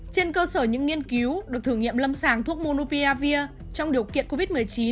trên cơ sở những nghiên cứu được thử nghiệm lâm sàng thuốc monupiravir trong điều kiện covid một mươi chín